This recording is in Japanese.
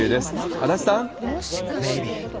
足立さん。